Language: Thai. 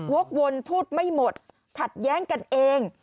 วกวนพูดไม่หมดขัดแย้งกันเอง